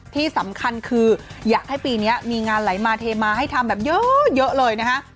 ที่สำคัญคืออยากให้ปีนี้มีงานไหลมาเทมาให้ทำแบบเยอะเลยนะฮะ